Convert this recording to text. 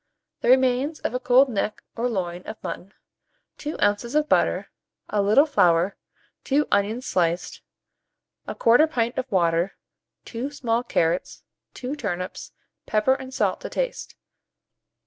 The remains of a cold neck or loin of mutton, 2 oz. of butter, a little flour, 2 onions sliced, 1/4 pint of water, 2 small carrots, 2 turnips, pepper and salt to taste.